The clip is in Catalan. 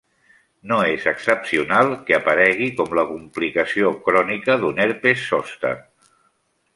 No és excepcional que aparegui com la complicació crònica d'un herpes zòster.